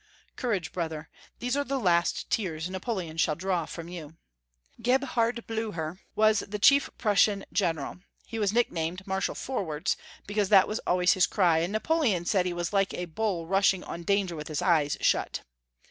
" Courage, brother, these are the last tears Napoleon shall draw from you." Gebhard Blucher was the chief Prussian general. He was nicknamed Marshal Forwards, because that was always his cry, and Napoleon said he was like a bull rushing on danger with his eyes shut.